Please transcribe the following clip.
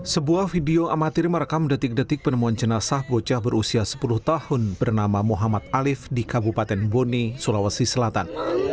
sebuah video amatir merekam detik detik penemuan jenazah bocah berusia sepuluh tahun bernama muhammad alif di kabupaten bone sulawesi selatan